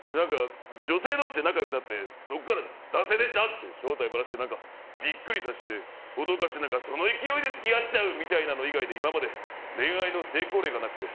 女性同士で仲良くなってそこから男性でしたって正体ばらしてビックリさせて脅かしてその勢いで付き合っちゃうみたいなの以外で今まで恋愛の成功例がなくて。